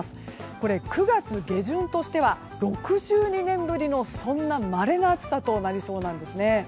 これ、９月下旬としては６２年ぶりのまれな暑さになりそうなんです。